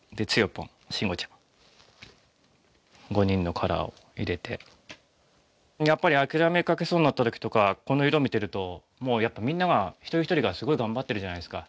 ぽん慎吾ちゃん５人のカラーを入れてやっぱり諦めかけそうになった時とかこの色見てるともうやっぱみんなが一人一人がすごい頑張ってるじゃないですか